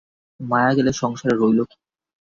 মায়া গেলে সংসারে রইল কী?